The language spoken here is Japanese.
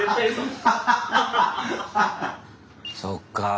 そっかぁ